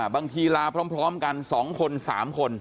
บางทีลาพร้อมกัน๒คน๓คน